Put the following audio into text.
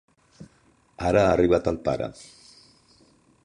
Ara ha arribat el pare.